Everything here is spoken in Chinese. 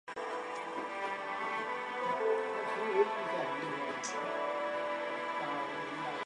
魏桓子只好同意了。